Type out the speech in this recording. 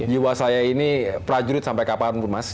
jiwa saya ini prajurit sampai kapan mas